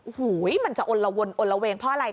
โอ้โหมันจะอลละวนอนละเวงเพราะอะไร